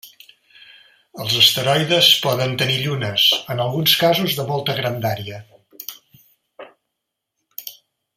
Els asteroides poden tenir llunes, en alguns casos de molta grandària.